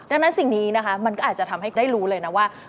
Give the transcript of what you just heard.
ดังนั้นสิ่งนี้นะคะมันก็อาจจะทำให้ได้รู้เลยนะว่า